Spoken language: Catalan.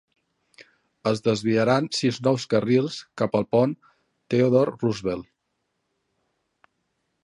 Es desviaran sis nous carrils cap al pont Theodore Roosevelt.